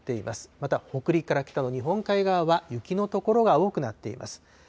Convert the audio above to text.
また北陸から北の日本海側は、雪の所が多くなっています。